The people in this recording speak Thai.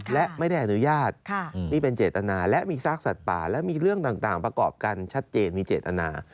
และไม่ได้อนุญาตนี่เป็นเจตนาและมีซากสัตว์ป่าและมีเรื่องต่างประกอบกันชัดเจนมีเจตนา